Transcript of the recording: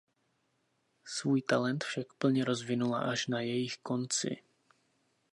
Svůj talent však plně rozvinula až na jejich konci.